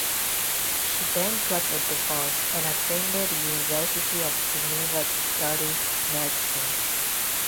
She then got a divorce, and attended the University of Geneva to study medicine.